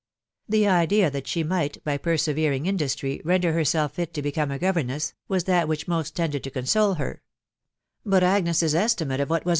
The idea that she might, by persevering indasbj, render herself fit to become a governess, was that which mat tended to console her ; but Agnes's estimate of what wis*.